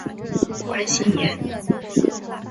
关心妍